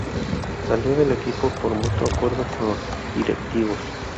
Salió del equipo por mutuo acuerdo con los directivos.